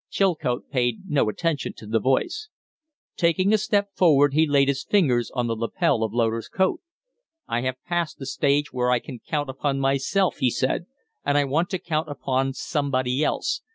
Chilcote paid no attention to the voice. Taking a step forward, he laid his fingers on the lapel of Loder's coat. "I have passed the stage where I can count upon myself," he said, "and I want to count upon somebody else.